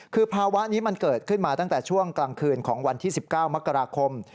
คือภาวะนี้มันเกิดขึ้นมาตั้งแต่ช่วงกลางคืนของวันที่๑๙มกราคม